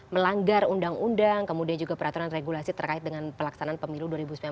melanggar undang undang kemudian juga peraturan regulasi terkait dengan pelaksanaan pemilu dua ribu sembilan belas